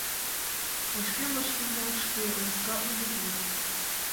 Вашкем вашлиймашке ласка умыр водын.